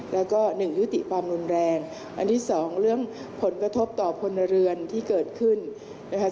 แล้วก็หนึ่งยุติความรุนแรงอันที่สองเรื่องผลกระทบต่อพลเรือนที่เกิดขึ้นนะคะ